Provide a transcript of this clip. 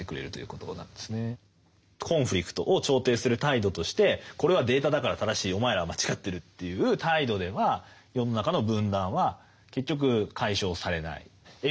コンフリクトを調停する態度としてこれはデータだから正しいお前らは間違ってるという態度では世の中の分断は結局解消されない。ということも重要ですよね。